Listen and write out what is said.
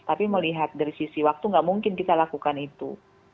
tapi melihat dari sisi waktu nggak mungkin kita lakukan itu